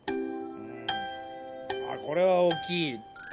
あこれは大きい。